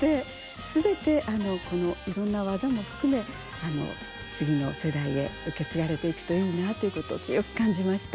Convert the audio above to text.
全てこのいろんなワザも含め次の世代へ受け継がれていくといいなということを強く感じました。